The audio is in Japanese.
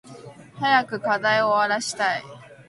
早く課題終わらしたい。